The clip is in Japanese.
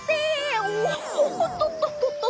おっとっとっとっと。